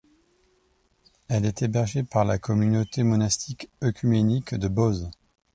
Elle est hébergée par la communauté monastique œcuménique de Bose.